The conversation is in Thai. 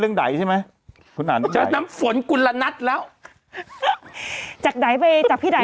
เรื่องไหนใช่ไหมน้ำฝนกุญลันตุแล้วจากใดไปจากพี่